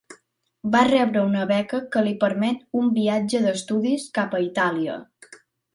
Va rebre una beca que li permet un viatge d'estudis cap a Itàlia.